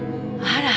あら。